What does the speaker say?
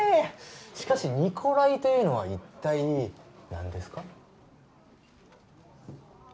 しかしニコライというのは一体何ですか？